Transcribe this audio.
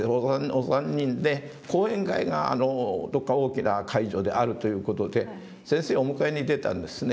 お三人で講演会がどこか大きな会場であるという事で先生をお迎えに出たんですね。